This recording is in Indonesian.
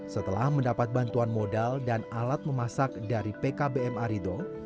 setelah mendapat bantuan modal dan alat memasak dari pkbm arido